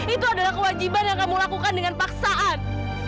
itu adalah kewajiban yang kamu lakukan dengan paksaan